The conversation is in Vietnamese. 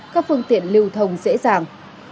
các phương tiện lưu thông dễ dàng